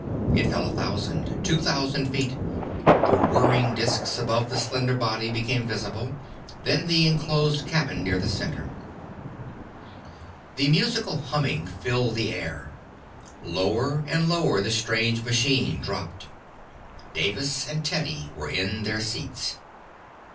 It fell a thousand, two thousand feet The whirring disks above the slender body became visible, then the inclosed cabin near the center. The musical humming filled the air. Lower and lower the strange machine dropped. Davis and Teddy were in their seats.